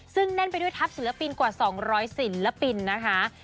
ซึ่งแน่นไปด้วยทัพศิลปินกว่า๒๐๐ศิลปินนะคะ